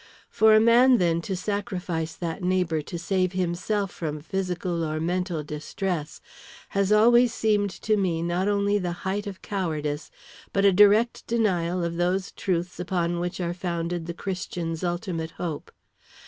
For a man, then, to sacrifice that neighbor to save himself from physical or mental distress, has always seemed to me not only the height of cowardice, but a direct denial of those truths upon which are founded the Christian's ultimate hope.